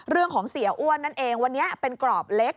เสียอ้วนนั่นเองวันนี้เป็นกรอบเล็ก